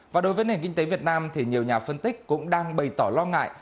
và đối với nền kinh tế việt nam thì nhiều nhà phân tích cũng đang bày tỏ lo ngại